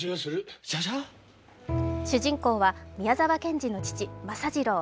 主人公は、宮沢賢治の父・政次郎。